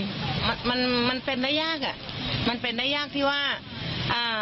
มันมันมันเป็นได้ยากอ่ะมันเป็นได้ยากที่ว่าอ่า